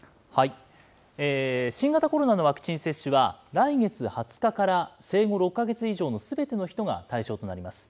新型コロナのワクチン接種は、来月２０日から生後６か月以上のすべての人が対象となります。